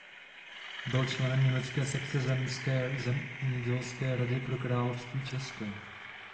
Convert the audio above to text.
Byl členem německé sekce zemské Zemědělské rady pro království České.